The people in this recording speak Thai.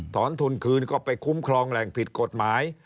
ถอนทุนคืนก็ไปคุ้มครองแหล่งผิดกฎหมาย